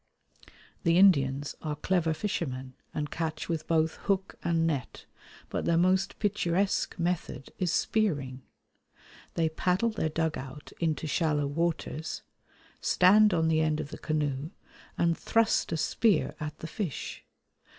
The Indians are clever fishermen, and catch with both hook and net, but their most picturesque method is spearing. They paddle their dug out into shallow waters, stand on the end of the canoe, and thrust a spear at the fish.